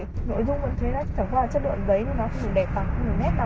nội dung vẫn thế đấy chẳng có là chất lượng giấy thì nó không được đẹp lắm không được nét đâu